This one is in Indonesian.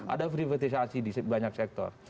ada privatisasi di banyak sektor